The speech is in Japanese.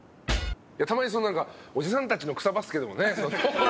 たまにそのなんかおじさんたちの草バスケでもね